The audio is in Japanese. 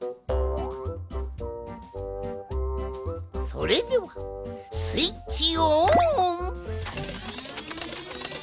それではスイッチオン！